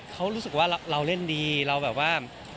เขารู้สึกว่าเราเล่นดีเราแบบว่า